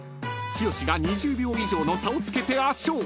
［剛が２０秒以上の差をつけて圧勝］